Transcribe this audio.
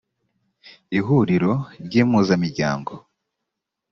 ihuriro ry impuzamiryango